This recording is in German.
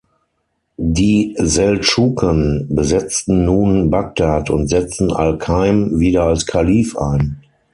Die Seldschuken besetzten nun Bagdad und setzten al-Qaim wieder als Kalif ein.